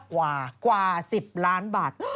กว่า๑๐ล้านบาท